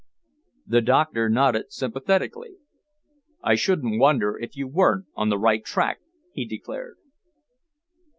The doctor nodded sympathetically. "I shouldn't wonder if you weren't on the right track," he declared.